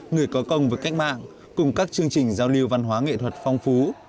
người có công với cách mạng cùng các chương trình giao lưu văn hóa nghệ thuật phong phú